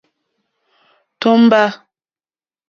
Tómbâ.